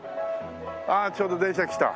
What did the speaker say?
ああちょうど電車来た。